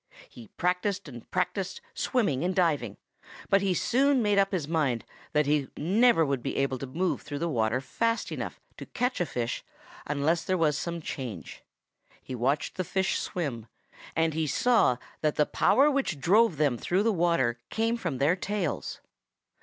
He practised and practised swimming and diving, but he soon made up his mind that he never would be able to move through the water fast enough to catch a fish unless there was some change. He watched the fish swim, and he saw that the power which drove them through the water came from their tails.